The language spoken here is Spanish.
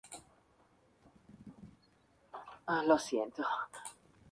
Posteriormente, se trasladó hasta París, Francia, donde realizó cursos para especializarse en cardiología.